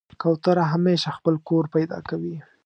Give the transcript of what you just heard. کوتره همیشه خپل کور پیدا کوي.